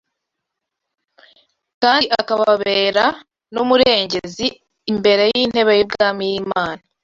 kandi akababera n’umurengezi imbere y’intebe y’ubwami y’Imana